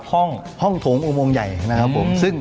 ห้องโถงอุโมงใหญ่นะครับผมซึ่ง